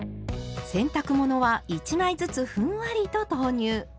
洗濯物は１枚ずつふんわりと投入。